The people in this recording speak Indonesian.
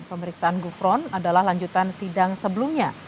pemeriksaan gufron adalah lanjutan sidang sebelumnya